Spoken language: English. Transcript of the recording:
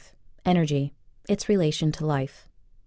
ENERGY — ITS RELATION TO LIFE.